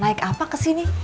naik apa ke sini